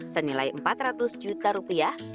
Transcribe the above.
senilai empat ratus juta rupiah